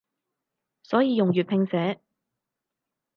所以用粵拼寫